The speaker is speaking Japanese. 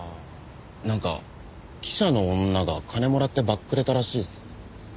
なんか記者の女が金もらってばっくれたらしいっす。